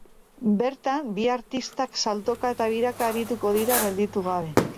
Bertan, bi artistak saltoka eta biraka arituko dira gelditu gabe.